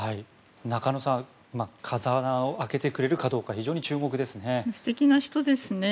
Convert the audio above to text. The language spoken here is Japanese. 中野さん、風穴を開けてくれるかどうか非常に注目ですね。